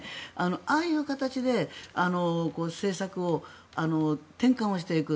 ああいう形で政策を転換をしていく。